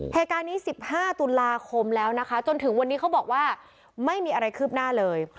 เหตุการณ์นี้๑๕ตุลาคมแล้วนะคะจนถึงวันนี้เขาบอกว่าไม่มีอะไรคืบหน้าเลย